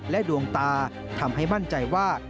ดวงตาทำให้มั่นใจว่า